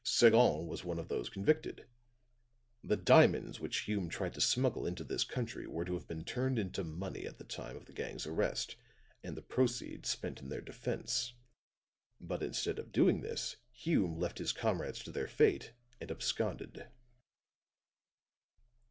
"Sagon was one of those convicted. The diamonds which Hume tried to smuggle into this country were to have been turned into money at the time of the gang's arrest and the proceeds spent in their defense. But instead of doing this, Hume left his comrades to their fate and absconded.